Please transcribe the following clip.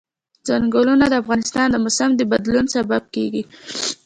ځنګلونه د افغانستان د موسم د بدلون سبب کېږي.